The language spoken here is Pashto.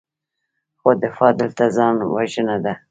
خو دفاع دلته ځان وژنه ده.